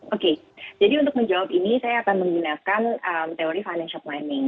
oke jadi untuk menjawab ini saya akan menggunakan teori financial planning